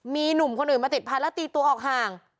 มีหนุ่มคนอื่นมาติดพันธุแล้วตีตัวออกห่าง